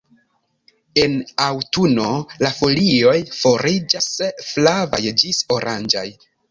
En aŭtuno la folioj fariĝas flavaj ĝis oranĝaj.